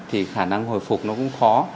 thì khả năng hồi phục nó cũng khó